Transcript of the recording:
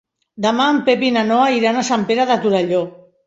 Demà en Pep i na Noa iran a Sant Pere de Torelló.